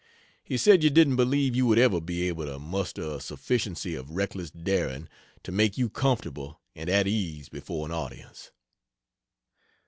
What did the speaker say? He said you didn't believe you would ever be able to muster a sufficiency of reckless daring to make you comfortable and at ease before an audience.